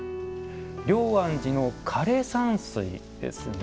龍安寺の枯山水ですね。